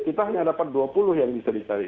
kita hanya dapat dua puluh yang bisa dicari